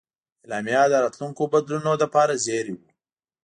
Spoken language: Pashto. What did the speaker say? اعلامیه د راتلونکو بدلونونو لپاره زېری و.